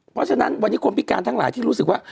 เพราะฉะนั้นวันนี้คนพิการทั้งหลายที่รู้สึกว่า